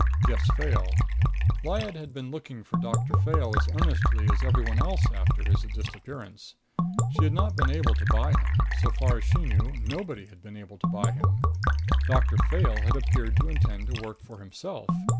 Gess Fayle: Lyad had been looking for Doctor Fayle as earnestly as everyone else after his disappearance. She had not been able to buy him. So far as she knew, nobody had been able to buy him. Doctor Fayle had appeared to intend to work for himself.